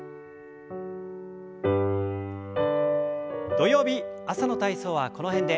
土曜日朝の体操はこの辺で。